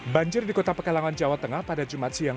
banjir di kota pekalongan jawa tengah pada jumat siang